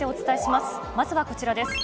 まずはこちらです。